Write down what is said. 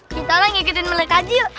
kita lah ngikutin mereka aja yuk